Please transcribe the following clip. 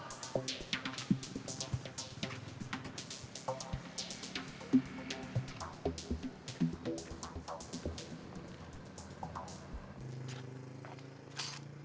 mayatnya gak ada